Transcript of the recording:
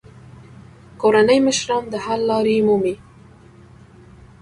کورني مشران د حل لارې مومي.